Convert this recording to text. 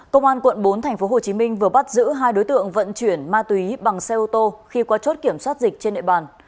công an quận bốn tp hcm vừa bắt giữ hai đối tượng vận chuyển ma túy bằng xe ô tô khi qua chốt kiểm soát dịch trên nệ bàn